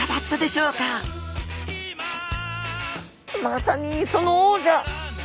まさに磯の王者！